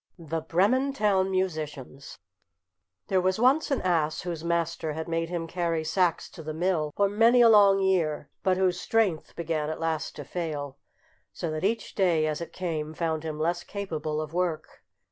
THE BREMEN TOWN MUSICIANS THERE was once an ass whose master had made him carry sacks to the mill for many a long year, but whose strength began at last to fail, so that each day as it came found him less capable of work.